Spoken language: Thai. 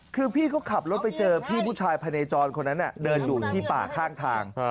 คือพี่เขาขับรถไปเจอพี่ผู้ชายภายในจรคนนั้นเดินอยู่ที่ป่าข้างทาง